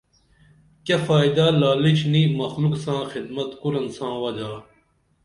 کیہ فائدہ لالچ نِی مخلُق ساں خدمت کُرن ساں وجا